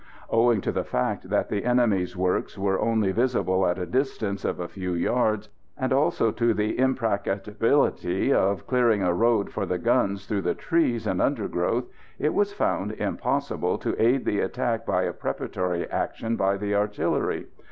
Owing to the fact that the enemy's works were only visible at a distance of a few yards, and also to the impracticability of clearing a road for the guns through the trees and undergrowth, it was found impossible to aid the attack by a preparatory action by the artillery.